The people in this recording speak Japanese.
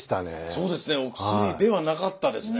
そうですねお薬ではなかったですね。